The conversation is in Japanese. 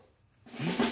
えっ。